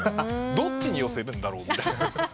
どっちに寄せるんだろうみたいな。